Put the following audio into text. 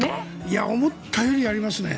思ったよりやりますね！